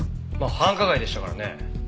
まあ繁華街でしたからね。